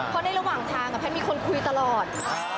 เพราะในระหว่างทางแพทย์มีคนคุยตลอด